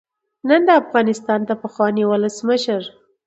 نن د افغانستان د پخواني ولسمشر